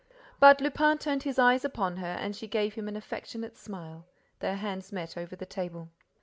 But Lupin turned his eyes upon her and she gave him an affectionate smile. Their hands met over the table.